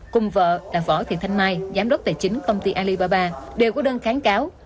cùng vợ là võ thị thanh mai giám đốc tài chính công ty alibaba đều có đơn kháng cáo